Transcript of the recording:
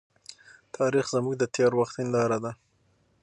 تاريخ زموږ د تېر وخت هنداره ده.